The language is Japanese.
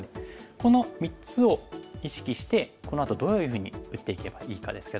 この３つを意識してこのあとどういうふうに打っていけばいいかですけども。